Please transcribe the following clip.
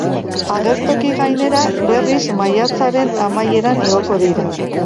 Agertoki gainera, berriz, maiatzaren amaieran igoko dira.